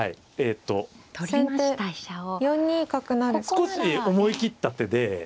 少し思い切った手で。